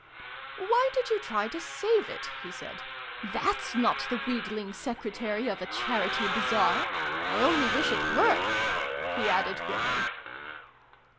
"Why did you try to save it?" he said. " Thafs not the wheedling Secretary of a Charity Bazaar! I only wish it were!" he added grimly.